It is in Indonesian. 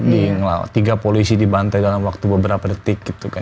di tiga polisi dibantai dalam waktu beberapa detik gitu kan